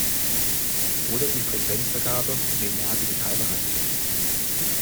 Oder die Frequenzvergabe im Linear-Digital-Bereich.